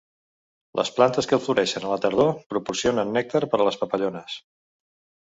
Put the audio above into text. Les plantes que floreixen a la tardor proporcionen nèctar per les papallones.